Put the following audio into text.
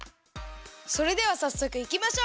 それではさっそくいきましょう！